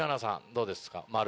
どうですか？